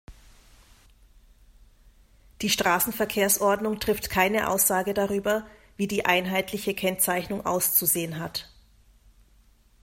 Die Straßenverkehrsordnung trifft keine Aussage darüber, wie die einheitliche Kennzeichnung auszusehen hat.